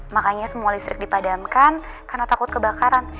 makanya semua listrik dipadamkan karena takut kebakaran